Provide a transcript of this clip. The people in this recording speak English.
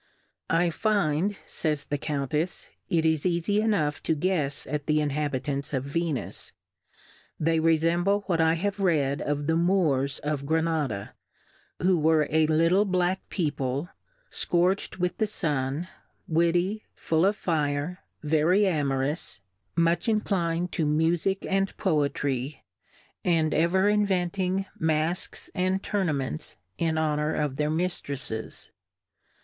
I find, fa)'s the Countefs^ it is eafie enough to guefs at the Inhabitants of Venus ; they refemble wliat I have read of the Moors of Granada^ who were a little black People, fcorch'd with the Sun, Witty, full of Fire, very Amorous, much inclined to Mufick and Poetry, and ever inventing Mafques and Tur naments in Honour of their Miftrefles. Pardon Plura% ^/WORLDS.